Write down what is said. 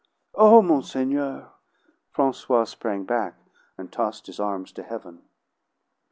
"Oh, monseigneur!" Francois sprang back, and tossed his arms to heaven.